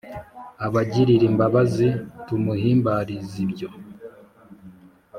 abagirir’imbabazi tumuhimbariz’ibyo